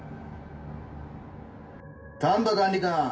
丹波管理官！